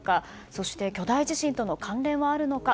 そして巨大地震との関連はあるのか。